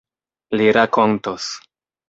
Li rakontos.